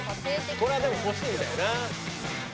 これはでも欲しいんだよな。